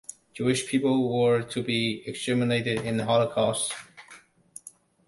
Jewish people were to be exterminated in the Holocaust.